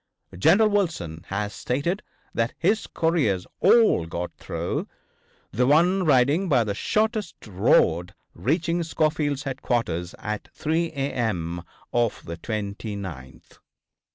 General Wilson has stated that his couriers all got through, the one riding by the shortest road reaching Schofield's headquarters at 3 a.m. of the 29th.